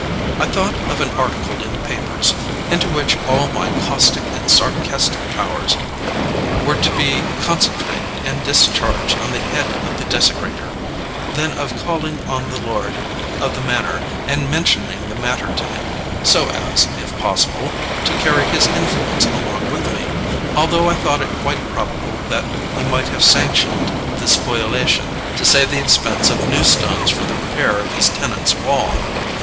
I thought of an article in the papers, into which all my caustic and sarcastic powers were to be concentrated and discharged on the head of the desecrator then of calling on the lord of the manor, and mentioning the matter to him, so as, if possible, to carry his influence along with me, although I thought it quite probable that he might have sanctioned the spoliation, to save the expense of new stones for the repair of his tenant's wall.